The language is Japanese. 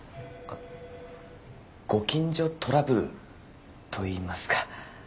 あっご近所トラブルといいますか。